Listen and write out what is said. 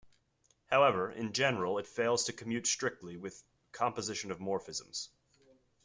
However, in general it fails to commute strictly with composition of morphisms.